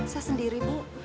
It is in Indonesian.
saya sendiri bu